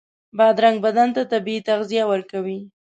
بادرنګ بدن ته طبعي تغذیه ورکوي.